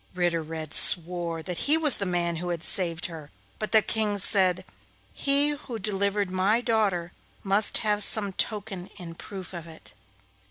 Ritter Red swore that he was the man who had saved her, but the King said: 'He who delivered my daughter must have some token in proof of it.